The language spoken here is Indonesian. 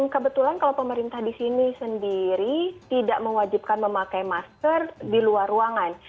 kebetulan kalau pemerintah di sini sendiri tidak mewajibkan memakai masker di luar ruangan